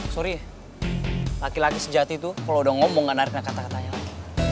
sorry laki laki sejati tuh kalau udah ngomong nggak narikin kata katanya lagi